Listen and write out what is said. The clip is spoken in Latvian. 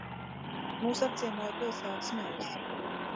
Mūs apciemoja pilsētas mērs